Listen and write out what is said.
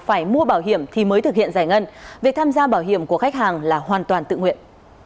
phải mua bảo hiểm thì mới thực hiện giải ngân việc tham gia bảo hiểm của khách hàng là hoàn toàn tự nguyện